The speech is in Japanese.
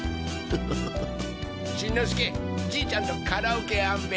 しんのすけじいちゃんとカラオケやんべ。